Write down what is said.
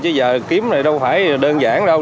chứ giờ kiếm này đâu phải đơn giản đâu